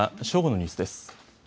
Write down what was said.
正午のニュースです。